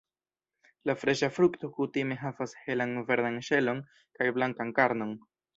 La freŝa frukto kutime havas helan verdan ŝelon kaj blankan karnon.